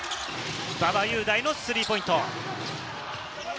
馬場雄大のスリーポイント。